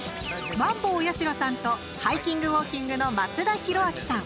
マンボウやしろさんとハイキングウォーキングの松田洋昌さん。